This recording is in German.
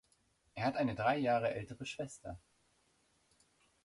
Er hat eine drei Jahre ältere Schwester.